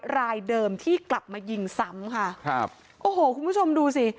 รายเดิมที่กลับมายิงซ้ำค่ะครับโอ้โหคุณผู้ชมดูสิ